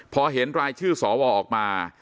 พอเห็นรายชื่อสวออกมา